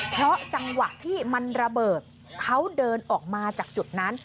เพราะจังหวะที่มันระเบิดเขาเดินออกมาจากจุดนั้น